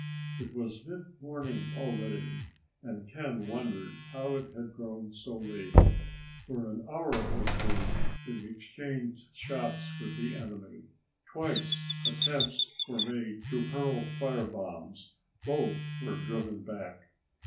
It was mid morning already, and Ken wondered how it had grown so late. For an hour or two they exchanged shots with the enemy. Twice, attempts were made to hurl firebombs. Both were driven back.